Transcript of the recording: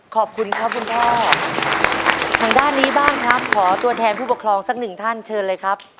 ขอบคุณครับคุณพ่อทางด้านนี้บ้างครับขอตัวแทนผู้ปกครองสักหนึ่งท่านเชิญเลยครับ